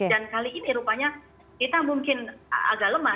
kali ini rupanya kita mungkin agak lemah